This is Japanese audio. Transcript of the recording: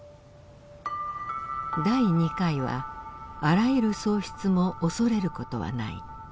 第２回はあらゆる喪失も恐れる事はない。